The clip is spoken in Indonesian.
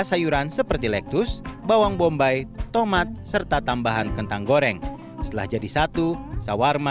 sayuran seperti lektus bawang bombay tomat serta tambahan kentang goreng setelah jadi satu sawarma